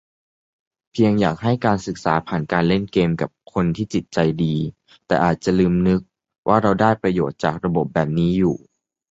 เพียงอยากให้การศึกษาผ่านการเล่นเกมกับคนที่จิตใจดี แต่อาจจะลืมนึก ว่าเราได้ประโยชน์จากระบบแบบนี้อยู่